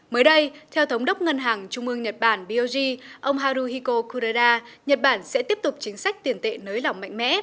mới đây theo thống đốc ngân hàng trung ương nhật bản bioggi ông haruhiko kureda nhật bản sẽ tiếp tục chính sách tiền tệ nới lỏng mạnh mẽ